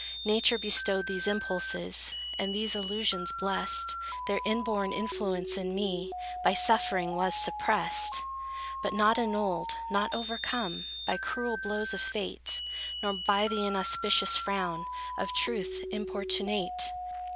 Nature bestowed these impulses, And these illusions blest; Their inborn influence, in me, By suffering was suppressed; But not annulled, not overcome By cruel blows of Fate; Nor by the inauspicious frown Of Truth, importunate!